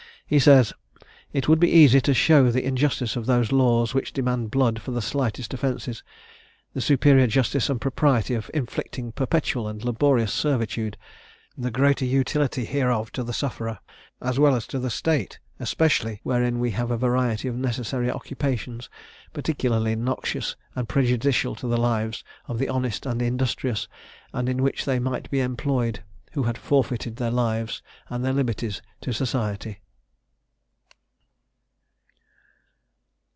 He says, "It would be easy to show the injustice of those laws which demand blood for the slightest offences; the superior justice and propriety of inflicting perpetual and laborious servitude; the greater utility hereof to the sufferer, as well as to the state, especially wherein we have a variety of necessary occupations, peculiarly noxious and prejudicial to the lives of the honest and industrious, and in which they might be employed, who had forfeited their lives and their liberties to society."